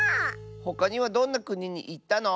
ほかにはどんなくににいったの？